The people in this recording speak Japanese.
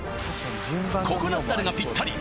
ココナッツだれがぴったり！